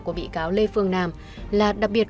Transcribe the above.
của bị cáo lê phương nam là đặc biệt